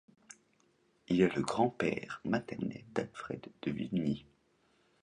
Il est le grand-père maternel d'Alfred de Vigny.